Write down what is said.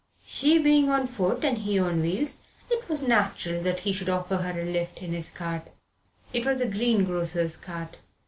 She being on foot and he on wheels, it was natural that he should offer her a lift in his cart it was a greengrocer's cart.